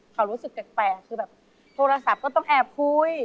เขารู้สึกแปลกคือแบบโทรศัพท์ก็ต้องแอบคุย